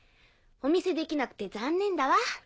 お見せできなくて残念だわ。